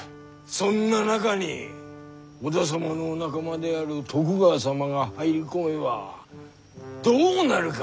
そんな中に織田様のお仲間である徳川様が入り込めばどうなるか。